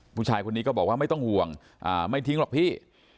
ผู้ชายคนนี้ก็บอกว่าไม่ต้องห่วงไม่ทิ้งหรอกพี่